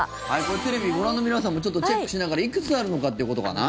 これテレビをご覧の皆さんもちょっとチェックしながらいくつあるのかということかな？